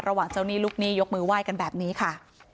เจ้าหนี้ลูกหนี้ยกมือไหว้กันแบบนี้ค่ะ